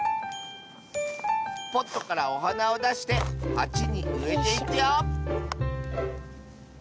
ポットからおはなをだしてはちにうえていくよ